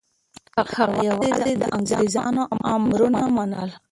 هغه یوازې د انګریزانو امرونه منل.